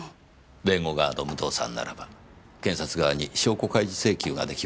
弁護側の武藤さんならば検察側に証拠開示請求ができますよね？